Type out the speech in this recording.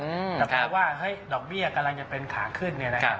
แต่เพราะว่าเฮ้ยดอกเบี้ยกำลังจะเป็นขาขึ้นเนี่ยนะครับ